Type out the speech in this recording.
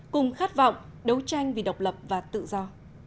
cùng khát vọng đấu tranh vì độc lập và tự do